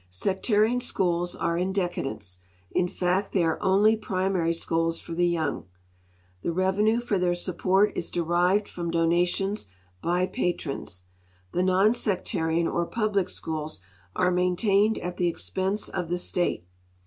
Sectarian schools are in decadence — in fact, they are only primary schools for the young. The revenue for their support is deilved from donations by patrons. The non sectarian or public schools are main tained at the expense of the state.